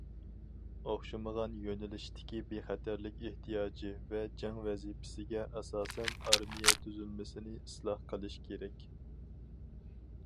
ئوخشىمىغان يۆنىلىشتىكى بىخەتەرلىك ئېھتىياجى ۋە جەڭ ۋەزىپىسىگە ئاساسەن، ئارمىيە تۈزۈلمىسىنى ئىسلاھ قىلىش كېرەك.